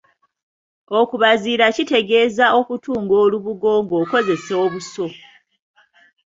Okubaziira kitegeeza kwe kutunga olubugo ng'okozesa obuso.